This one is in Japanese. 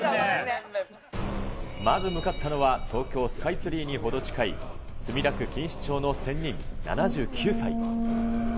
まず向かったのは、東京スカイツリーに程近い墨田区錦糸町の仙人、７９歳。